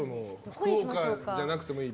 福岡じゃなくてもいい？